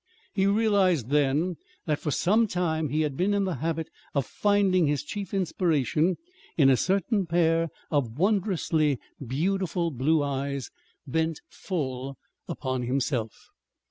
He realized then that for some time he had been in the habit of finding his chief inspiration in a certain pair of wondrously beautiful blue eyes bent full upon himself.